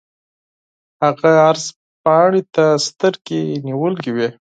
هغه عرض پاڼې ته سترګې نیولې وې.